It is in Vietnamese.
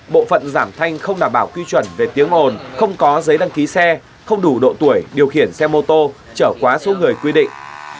bộ phận giảm thanh không đảm bảo quy chuẩn về tiếng ồn không có giấy đăng ký xe không đủ độ tuổi điều khiển xe mô tô trở quá số người quy định